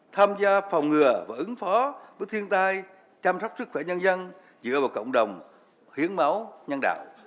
tham gia phòng ngừa và ứng phó với thiên tai chăm sóc sức khỏe nhân dân dựa vào cộng đồng hiến máu nhân đạo